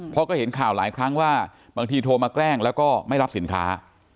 เพราะก็เห็นข่าวหลายครั้งว่าบางทีโทรมาแกล้งแล้วก็ไม่รับสินค้า